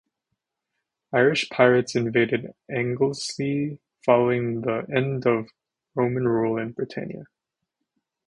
Irish pirates invaded Anglesey following the end of Roman rule in Britannia.